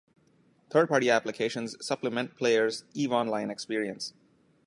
Third-party applications supplement players' "Eve Online" experience.